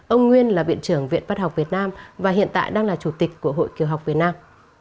ông nguyên là viện trưởng viện văn học việt nam và hiện tại đang là chủ tịch của hội kiều học việt nam